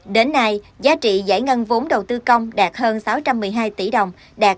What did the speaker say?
đến nay giá trị giải ngân vốn đầu tư công đạt hơn sáu trăm một mươi hai tỷ đồng đạt sáu